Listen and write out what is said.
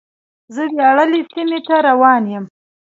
زه وياړلې سیمې ته روان یم.